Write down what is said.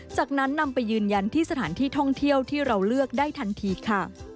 จากนั้นนำไปยืนยันที่สถานที่ท่องเที่ยวที่เราเลือกได้ทันทีค่ะ